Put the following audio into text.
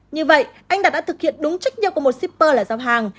như vậy anh đạt đã thực hiện đúng trách nhiệm của một zipper là giao hàng